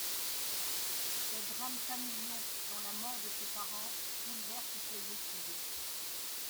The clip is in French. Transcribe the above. Des drames familiaux, dont la mort de ses parents, bouleversent ses études.